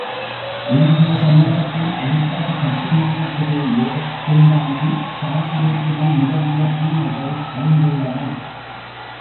இந்திய சமூகத்தின் அடிப்படைக் கட்டுமானத்திலேயே தீண்டாமை, சாதி வேற்றுமை முதலிய தீமைகள் படிந்துள்ளன.